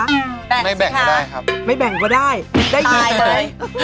ว่าไม่แบ่งก็ได้ครับไม่แบ่งก็ได้ได้อยู่ใจเบย